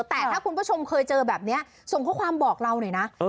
แต่ถ้าคุณผู้ชมเคยเจอแบบนี้ส่งข้อความบอกเราหน่อยนะ